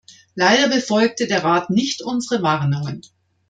Leider befolgte der Rat nicht unsere Warnungen.